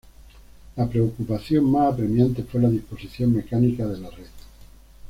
La preocupación más apremiante fue la disposición mecánica de la red.